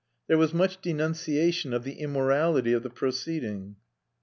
There was much denunciation of the immorality of the proceeding(1).